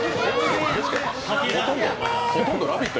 ほとんど「ラヴィット！」